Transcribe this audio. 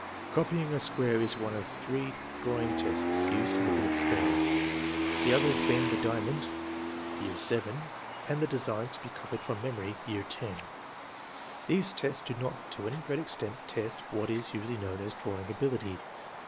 Copying a square is one of three drawing tests used in the Binet scale, the others being the diamond (year VII), and the designs to be copied from memory (year X). These tests do not to any great extent test what is usually known as " drawing ability."